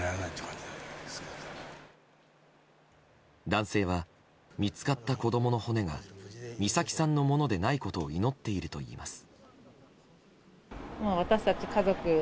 男性は、見つかった子供の骨が美咲さんのものでないことを祈っているといいます。